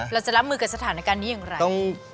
เราจะรับมือกับสถานการณ์นี้อย่างไร